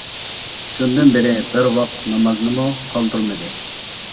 شۇندىن بېرى بىر ۋاق نامازنىمۇ قالدۇرمىدىم.